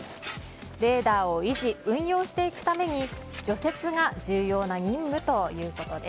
レーダーを維持運用していくために除雪が重要な任務ということです。